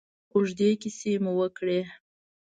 اوږدې کیسې مو وکړې.